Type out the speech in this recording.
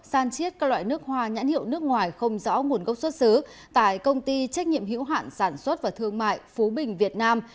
san chiết các loại nước hoa nhãn hiệu nước ngoài không rõ nguồn gốc xuất xứ tại công ty trách nhiệm hữu hạn sản xuất và thương mại phú bình việt nam